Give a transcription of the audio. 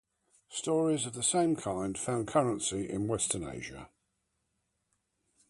Stories of the same kind found currency in western Asia.